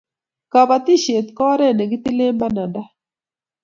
kabatishiet ko oret nekitile bananda